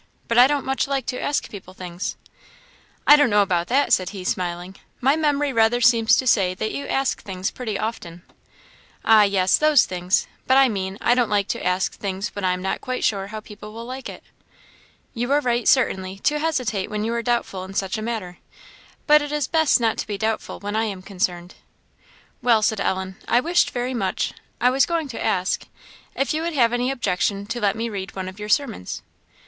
but I don't much like to ask people things." "I don't know about that," said he, smiling; "my memory rather seems to say that you ask things pretty often." "Ah, yes those things; but I mean, I don't; like to ask things when I am not quite sure how people will like it." "You are right, certainly, to hesitate when you are doubtful in such a matter; but it is best not to be doubtful when I am concerned." "Well," said Ellen, "I wished very much I was going to ask if you would have any objection to let me read one of your sermons."